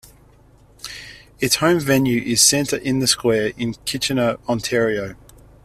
Its home venue is Centre In The Square in Kitchener, Ontario.